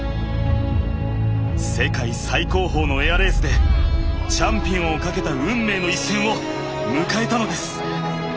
世界最高峰のエアレースでチャンピオンを懸けた運命の一戦を迎えたのです。